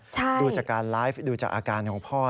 ดูจากการไลฟ์ดูจากอาการของพ่อ